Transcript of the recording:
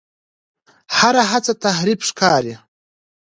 هر هڅه تحریف ښکاري.